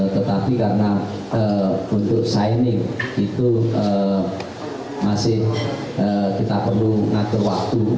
tetapi karena untuk signing itu masih kita perlu ngatur waktu